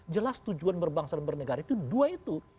jelas tujuan berbangsa dan bernegara itu dua itu